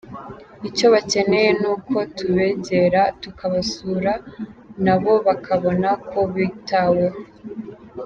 Icyo bakeneye ni uko tubegera, tukabasura na bo bakabona ko bitaweho.